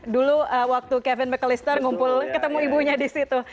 dulu waktu kevin mclyster ngumpul ketemu ibunya di situ